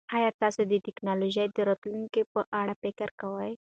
ایا تاسو د ټکنالوژۍ د راتلونکي په اړه فکر کړی؟